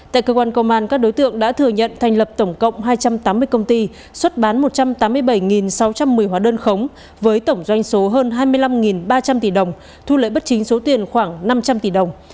tại cơ quan công an các đối tượng đã thừa nhận thành lập tổng cộng hai trăm tám mươi công ty xuất bán một trăm tám mươi bảy sáu trăm một mươi hóa đơn khống với tổng doanh số hơn hai mươi năm ba trăm linh tỷ đồng thu lợi bất chính số tiền khoảng năm trăm linh tỷ đồng